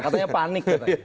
katanya panik ya tadi